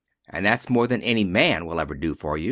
And that's more than any man will ever do for you."